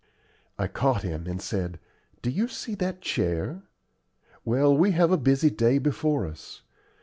I caught him, and said: "Do you see that chair? Well, we all have a busy day before us.